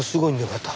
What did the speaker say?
また。